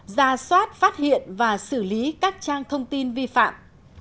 ra soát phát hiện và xử lý các trang thông tin vi phạm